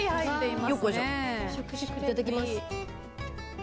いただきます。